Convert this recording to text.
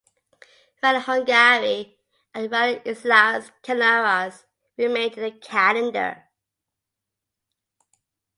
Rally Hungary and Rally Islas Canarias remained in the calendar.